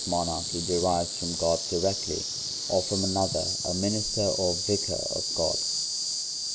Monarchy derives from God directly, or from another, a minister or vicar of God.